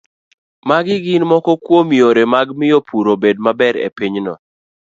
Magi gin moko kuom yore mag miyo pur obed maber e pinyno